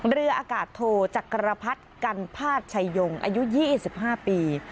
เรืออากาศโทจักรพรรดิกันภาษชัยยงอายุ๒๕ปี